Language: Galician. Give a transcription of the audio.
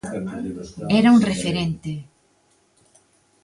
Era un referente.